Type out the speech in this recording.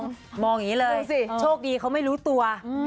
มองอย่างนี้เลยสิโชคดีเขาไม่รู้ตัว